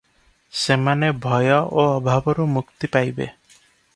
ସେମାନେ ଭୟ ଓ ଅଭାବରୁ ମୁକ୍ତି ପାଇବେ ।